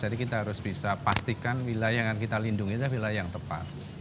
jadi kita harus bisa pastikan wilayah yang kita lindungi itu wilayah yang tepat